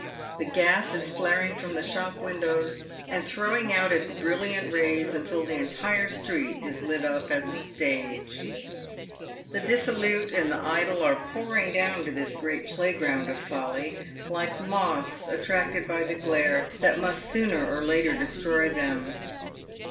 The gas is flaring from the shop windows, and throwing out its brilliant rays until the entire street is lit up as a The dissolute and the idle are pouring down to this great play ground of folly, like moths attracted by the glare that must sooner or later destroy them.